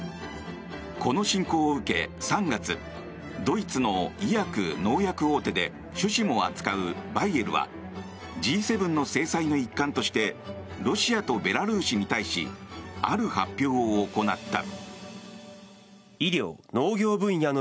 この侵攻を受け、３月ドイツの医薬・農薬大手で種子も扱うバイエルはＧ７の制裁の一環としてロシアとベラルーシに対しある発表を行った。